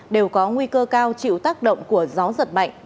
đều có nguy cơ cao chịu tác động của gió giật mạnh